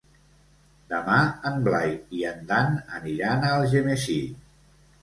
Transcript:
Demà en Blai i en Dan aniran a Algemesí.